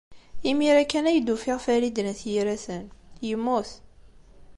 Imir-a kan ay d-ufiɣ Farid n At Yiraten. Yemmut.